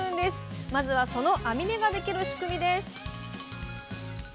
まずはその網目ができる仕組みです